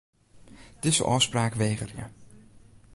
Dizze ôfspraak wegerje.